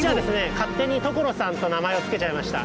勝手に「トコロサン」と名前を付けちゃいました。